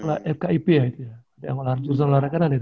pula fkip ya itu ya yang olahraga jurusan olahraga kan ada itu